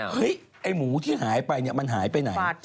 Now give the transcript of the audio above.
ไอ้หมูที่หายไปเนี่ยมันหายไปไหน